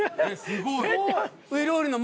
すごい。